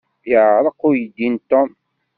Yeɛreq uydi n Tom.